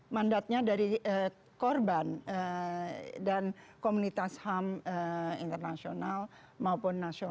mandatnya dari korban dan komunitas ham internasional maupun nasional